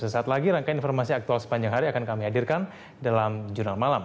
sesaat lagi rangkaian informasi aktual sepanjang hari akan kami hadirkan dalam jurnal malam